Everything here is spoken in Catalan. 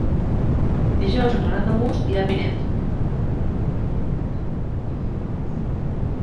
Dijous en Renat August irà a Pinet.